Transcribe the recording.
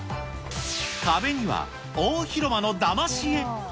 壁には大広間のだまし絵。